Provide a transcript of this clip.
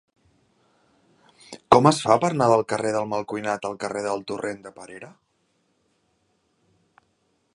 Com es fa per anar del carrer del Malcuinat al carrer del Torrent de Perera?